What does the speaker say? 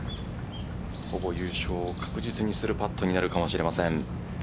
ほぼ優勝を確実にするパットになるかもしれません。